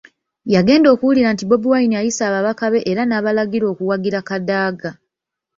Yagenda okuwulira nti Bobi Wine ayise ababaka be era n’abalagira okuwagira Kadaga.